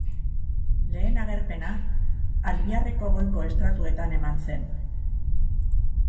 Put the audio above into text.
Lehen agerpena Albiarreko goiko estratuetan eman zen.